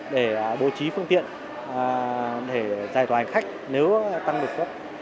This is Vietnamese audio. để bố trí phương tiện để giải thoại khách nếu tăng được tốt